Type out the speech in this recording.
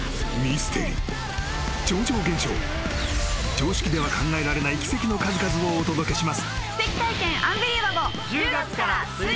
［常識では考えられない奇跡の数々をお届けします］